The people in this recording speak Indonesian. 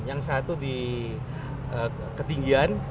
yang satu di ketinggian